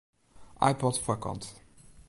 iPod foarkant.